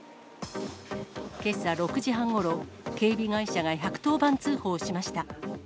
けさ６時半ごろ、警備会社が１１０番通報しました。